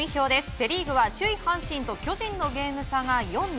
セリーグは首位、阪神と巨人のゲーム差が４に。